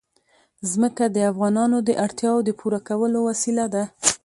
ځمکه د افغانانو د اړتیاوو د پوره کولو وسیله ده.